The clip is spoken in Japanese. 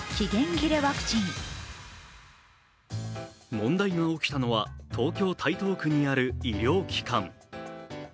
問題が起きたのは東京・台東区にある医療機関。